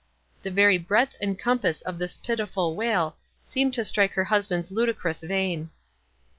The very breadth and compass of this pitiful wail seemed to strike her husband's ludicrous vein.